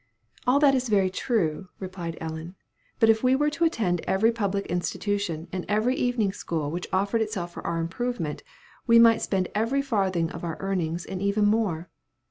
"All that is very true," replied Ellen, "but if we were to attend every public institution, and every evening school which offers itself for our improvement, we might spend every farthing of our earnings, and even more.